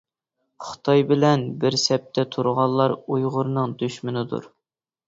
خىتاي بىلەن بىر سەپتە تۇرغانلار ئۇيغۇرنىڭ دۈشمىنىدۇر.